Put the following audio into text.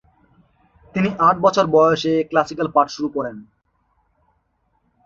তিনি আট বছর বয়সে ক্লাসিকাল পাঠ শুরু করেন।